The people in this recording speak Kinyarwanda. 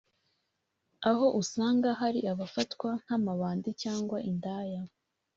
aho usanga hari abafatwa nk’amabandi cyangwa indaya